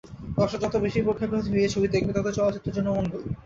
দর্শক যত বেশি প্রেক্ষাগৃহে গিয়ে ছবি দেখবেন, ততই চলচ্চিত্রের জন্য মঙ্গল।